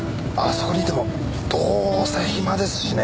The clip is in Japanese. そこにいてもどうせ暇ですしね。